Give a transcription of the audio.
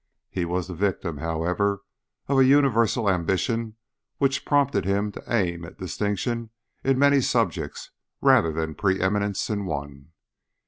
He was the victim, however, of a universal ambition which prompted him to aim at distinction in many subjects rather than preeminence in one.